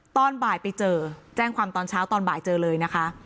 ตอนบ่ายไปเจอแจ้งความตอนเช้าตอนบ่ายเจอเลยนะคะ